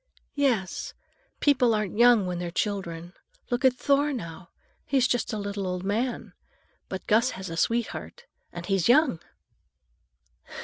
"Yes. People aren't young when they're children. Look at Thor, now; he's just a little old man. But Gus has a sweetheart, and he's young!"